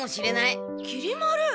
きり丸！